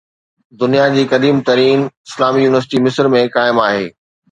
دنيا جي قديم ترين اسلامي يونيورسٽي مصر ۾ قائم آهي.